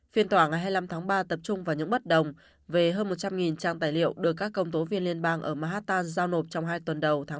phiên tòa ngày hai mươi năm tháng ba tập trung vào những bất đồng về hơn một trăm linh trang tài liệu được các công tố viên liên bang ở manhattan giao nộp trong hai tuần đầu tháng ba